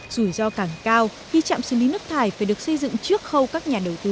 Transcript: rủi ro càng cao khi trạm xử lý nước thải phải được xây dựng trước khâu các nhà đầu tư